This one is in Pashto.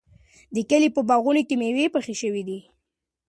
د کلي په باغونو کې مېوې پخې شوې دي.